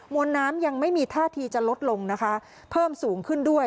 วนน้ำยังไม่มีท่าทีจะลดลงนะคะเพิ่มสูงขึ้นด้วย